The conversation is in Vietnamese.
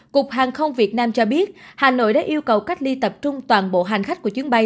cục hàng không việt nam cho biết hà nội đã yêu cầu cách ly tập trung toàn bộ hành khách của chuyến bay